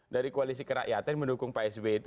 dari koalisi kerakyatan yang mendukung pak sbe itu